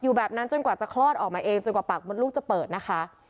แบบนั้นจนกว่าจะคลอดออกมาเองจนกว่าปากมดลูกจะเปิดนะคะ